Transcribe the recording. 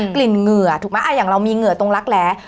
เหงื่อถูกไหมอย่างเรามีเหงื่อตรงรักแหล